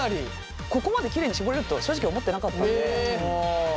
ここまできれいに絞れると正直思ってなかったので。